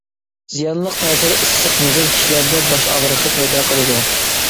زىيانلىق تەسىرى ئىسسىق مىزاج كىشىلەردە باش ئاغرىقى پەيدا قىلىدۇ.